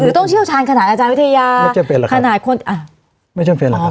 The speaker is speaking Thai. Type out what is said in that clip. หรือต้องเชี่ยวชาญขนาดอาจารย์วิทยาไม่ใช่เป็นแหละครับขนาดคนอ่ะไม่ใช่เป็นแหละครับ